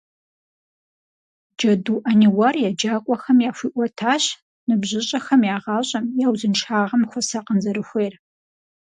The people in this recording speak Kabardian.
Джэду Ӏэниуар еджакӏуэхэм яхуиӀуэтащ ныбжьыщӀэхэм я гъащӀэм, я узыншагъэм хуэсакъын зэрыхуейр.